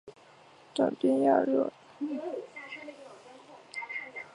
短鞭亚热溪蟹为溪蟹科亚热溪蟹属的动物。